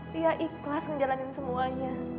dia ikhlas ngejalanin semuanya